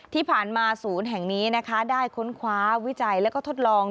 ที่ผ่านมาศูนย์แห่งนี้นะคะได้ค้นคว้าวิจัยแล้วก็ทดลอง